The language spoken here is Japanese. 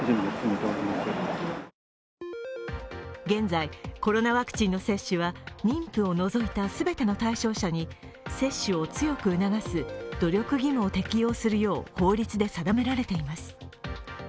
現在、コロナワクチンの接種は妊婦を除いた全ての対象者に接種を強く促す努力義務を適用するよう法律で定められています。